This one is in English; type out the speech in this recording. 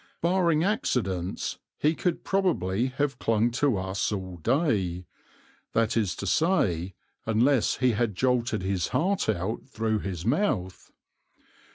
Barring accidents he could probably have clung to us all day that is to say, unless he had jolted his heart out through his mouth.